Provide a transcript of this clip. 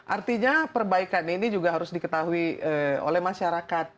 artinya perbaikan ini juga harus diketahui oleh masyarakat